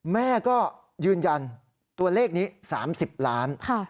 แม่ก็ยืนยันตัวเลขนี้๓๐ล้าน